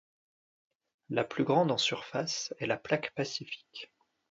La plus grande en surface est la plaque pacifique.